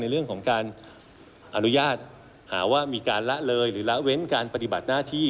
เรื่องของการอนุญาตหาว่ามีการละเลยหรือละเว้นการปฏิบัติหน้าที่